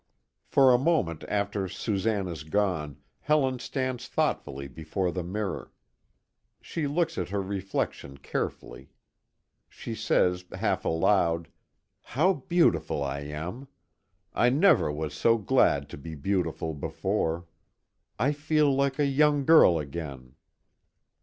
For a moment after Susanne is gone, Helen stands thoughtfully before the mirror. She looks at her reflection carefully. She says half aloud: "How beautiful I am! I never was so glad to be beautiful, before. I feel like a young girl again."